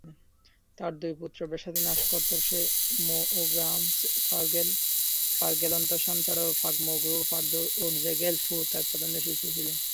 তার দুই পুত্র ব্সোদ-নাম্স-র্ত্সে-মো ও গ্রাগ্স-পা-র্গ্যাল-ম্ত্শান ছাড়াও ফাগ-মো-গ্রু-পা-র্দো-র্জে-র্গ্যাল-পো তার প্রধান শিষ্য ছিলেন।